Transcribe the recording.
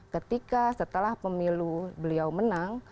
ketika setelah pemilu beliau menang